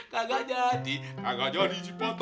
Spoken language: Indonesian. kagak jadi kagak jadi dipotong kuping gue